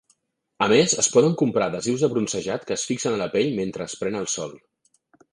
A més, es poden comprar "adhesius de bronzejat" que es fixen a la pell mentre es pren el sol.